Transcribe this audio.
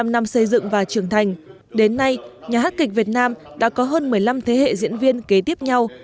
bảy mươi năm năm xây dựng và trưởng thành đến nay nhà hát kịch việt nam đã có hơn một mươi năm thế hệ diễn viên kế tiếp nhau